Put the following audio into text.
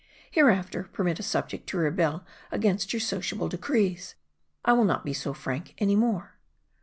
Hereafter, permit a subject to rebel against your sociable decrees. I will not be so frank ahy more."